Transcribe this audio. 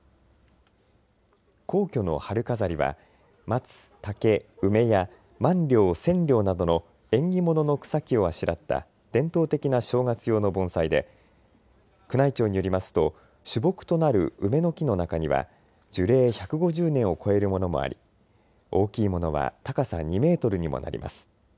皇居の春飾りは松、竹、梅やマンリョウ、センリョウなどの縁起物の草木をあしらった伝統的な正月用の盆栽で宮内庁によりますと、主木となる梅の木の中には樹齢１５０年を超えるものもあり、大きいものは高さ２メートルにもなります。